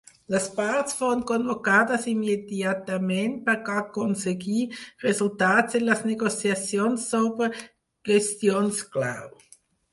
Les parts foren convocades immediatament per aconseguir resultats en les negociacions sobre qüestions clau.